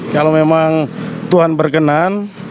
kalau memang tuhan berkenan